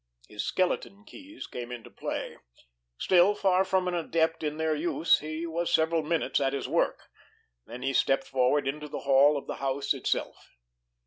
His skeleton keys came into play. Still far from an adept in their use, he was several minutes at this work. Then he stepped forward into the hall of the house itself.